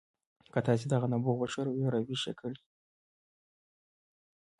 که تاسې دغه نبوغ وښوروئ او راویښ یې کړئ